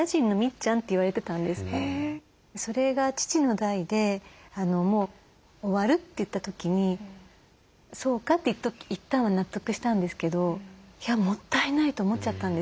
それが父の代でもう終わるといった時にそうかって一旦は納得したんですけどいやもったいないと思っちゃったんです。